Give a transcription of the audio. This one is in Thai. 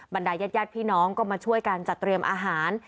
บรรดายญาติพี่น้องก็มาช่วยกันจัดเตรียมอาหาร